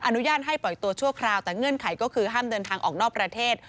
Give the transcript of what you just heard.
อนุญาตให้ปล่อยตัวชั่วคราวแต่เงื่อนไขก็คือห้ามเดินทางออกนอกประเทศ